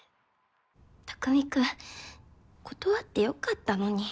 匠君断って良かったのに。